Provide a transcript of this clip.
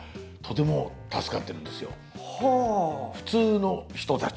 普通の人たち。